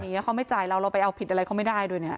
อย่างนี้เขาไม่จ่ายเราเราไปเอาผิดอะไรเขาไม่ได้ด้วยเนี่ย